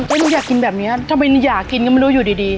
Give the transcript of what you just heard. ว่าอยากกินแบบนี้ถึงไม่รู้อยู่ดี